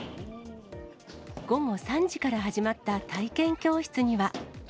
午後３時から始まった体験教室には。